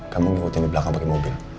kamu ngikutin di belakang pakai mobil